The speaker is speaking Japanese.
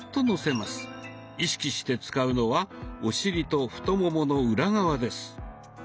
意識して使うのはお尻と太ももの裏側です。